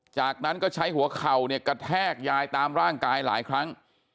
จากนั้นก็ใช้หัวเข่าเนี่ยกระแทกยายตามร่างกายหลายครั้ง